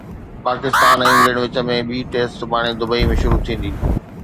Pakistan ۽ England وچ ۾ ٻي test سڀاڻي دبئي ۾ شروع ٿيندي